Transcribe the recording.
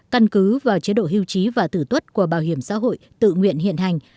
căn cứ vào chế độ hưu trí và tử tuất của bảo hiểm xã hội tự nguyện hiện hành